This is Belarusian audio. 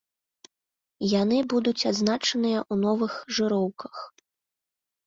Яны будуць адзначаныя ў новых жыроўках.